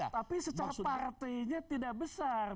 tapi secara partainya tidak besar